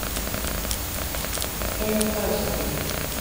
Què hi fas, ací?